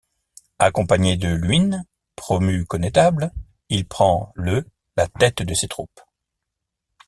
Accompagné de Luynes, promu connétable, il prend le la tête de ses troupes.